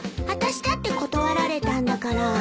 あたしだって断られたんだから。